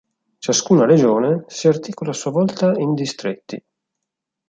Ciascuna regione si articola a sua volta in distretti.